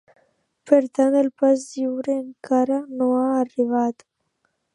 Per tant, el pas lliure encara no ha arribat.